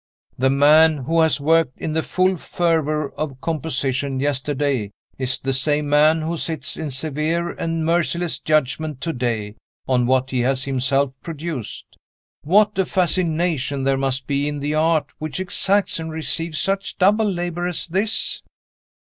The man who has worked in the full fervor of composition yesterday is the same man who sits in severe and merciless judgment to day on what he has himself produced. What a fascination there must be in the Art which exacts and receives such double labor as this?"